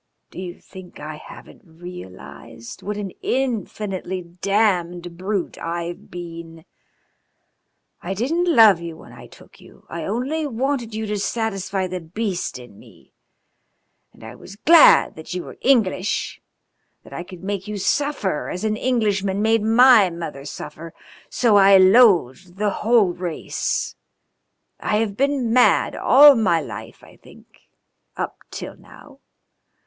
Do you think I haven't realised what an infinitely damned brute I've been? I didn't love you when I took you, I only wanted you to satisfy the beast in me. And I was glad that you were English that I could make you suffer as an Englishman made my mother suffer, I so loathed the whole race. I have been mad all my life, I think up till now.